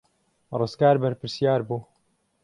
ڕزگار بەرپرسیار بوو.